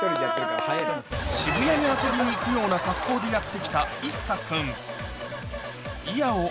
渋谷に遊びに行くような格好でやって来たＩＳＳＡ君